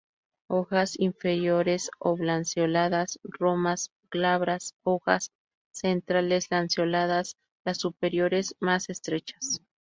Hojas inferiores oblanceoladas romas, glabras, hojas centrales lanceoladas, las superiores más estrechas.